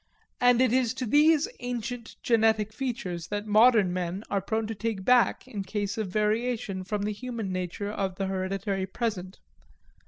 And it is to these ancient, generic features that modern men are prone to take back in case of variation from the human nature of the hereditary present.